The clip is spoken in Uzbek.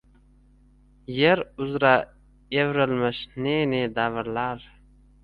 Yer uzra evrilmish ne-ne davrlar